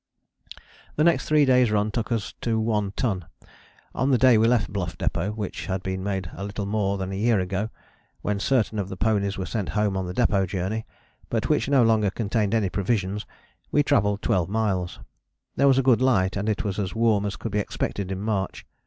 " The next three days' run took us to One Ton. On the day we left Bluff Depôt, which had been made a little more than a year ago, when certain of the ponies were sent home on the Depôt Journey, but which no longer contained any provisions, we travelled 12 miles; there was a good light and it was as warm as could be expected in March.